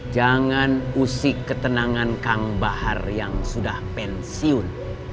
jangan usik ketenangan kang bahar yang sudah pensiun